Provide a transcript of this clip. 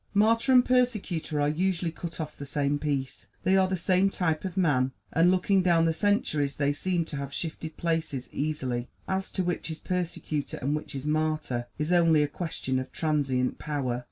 Martyr and persecutor are usually cut off the same piece. They are the same type of man; and looking down the centuries they seem to have shifted places easily. As to which is persecutor and which is martyr is only a question of transient power.